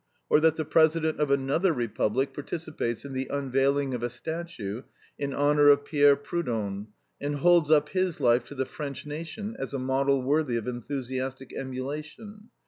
Or that the president of another republic participates in the unveiling of a statue in honor of Pierre Proudhon, and holds up his life to the French nation as a model worthy of enthusiastic emulation?